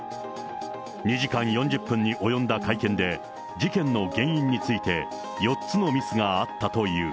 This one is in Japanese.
２時間４０分に及んだ会見で、事件の原因について４つのミスがあったという。